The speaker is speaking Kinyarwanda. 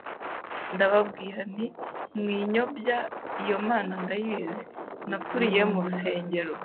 ndababwira nti mwinyobya iyo Mana ndayizi, nakuriye mu rusengero,